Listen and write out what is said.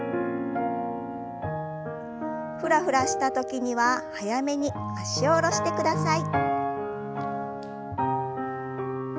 フラフラした時には早めに脚を下ろしてください。